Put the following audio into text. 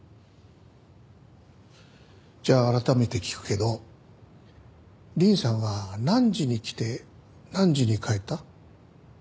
じゃあ改めて聞くけどリンさんは何時に来て何時に帰った？